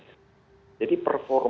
maka bukan seperti terapa harris